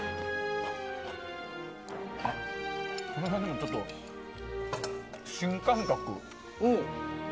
これは、でもちょっと新感覚。